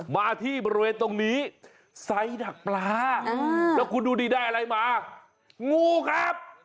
มาที่บริเวณตรงนี้ไซส์ดักปลาแล้วคุณดูดิได้อะไรมางูครับ